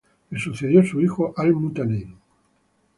Le sucedió su hijo Al-Mutádid.